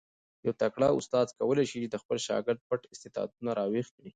یو تکړه استاد کولای سي د خپل شاګرد پټ استعدادونه را ویښ کړي.